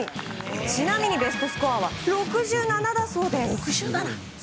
ちなみにベストスコアは６７だそうです。